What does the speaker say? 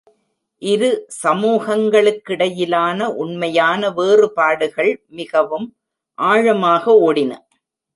இரு சமூகங்களுக்கிடையிலான உண்மையான வேறுபாடுகள் மிகவும் ஆழமாக ஓடின.